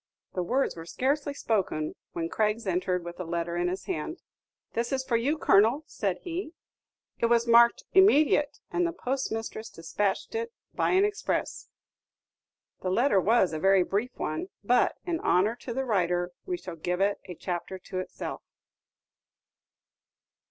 The words were scarcely spoken when Craggs entered with a letter in his hand. "This is for you, Colonel," said he; "it was marked 'immediate,' and the post mistress despatched it by an express." The letter was a very brief one; but, in honor to the writer, we shall give it a chapter to itself.